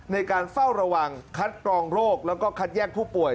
ในการเฝ้าระวังคัดกรองโรคแล้วก็คัดแยกผู้ป่วย